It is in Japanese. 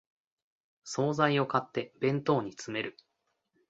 総菜を買って弁当に詰める